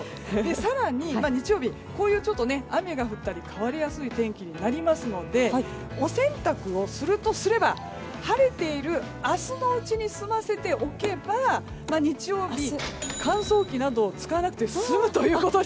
更に日曜日雨が降ったり変わりやすい天気になりますのでお洗濯をするとすれば晴れている明日のうちに済ませておけば日曜日は乾燥機などを使わなくて済むということに。